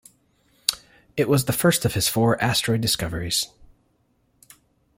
It was the first of his four asteroid discoveries.